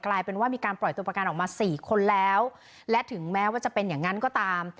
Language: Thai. กลายเป็นว่ามีการปล่อยตัวประกันออกมาสี่คนแล้วและถึงแม้ว่าจะเป็นอย่างนั้นก็ตาม